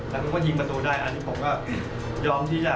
แล้วผมก็ยิงประตูได้อันนี้ผมก็ยอมที่จะ